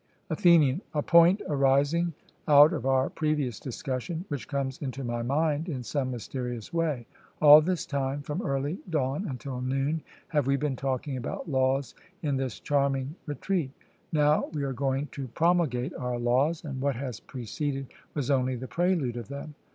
ATHENIAN: A point arising out of our previous discussion, which comes into my mind in some mysterious way. All this time, from early dawn until noon, have we been talking about laws in this charming retreat: now we are going to promulgate our laws, and what has preceded was only the prelude of them.